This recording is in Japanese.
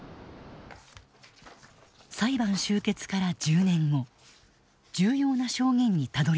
裁判終結から１０年後重要な証言にたどりつく。